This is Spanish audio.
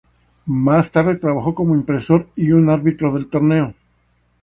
Más tarde trabajó como impresor y un árbitro del torneo.